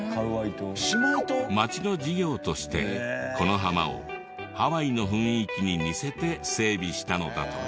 町の事業としてこの浜をハワイの雰囲気に似せて整備したのだとか。